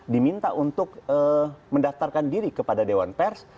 diminta untuk mendaftarkan diri kepada dewan pers